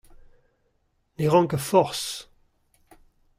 Ne ran ket forzh.